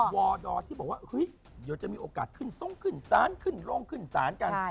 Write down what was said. วอดอที่บอกว่าเฮ้ยเดี๋ยวจะมีโอกาสขึ้นทรงขึ้นศาลขึ้นโรงขึ้นศาลกัน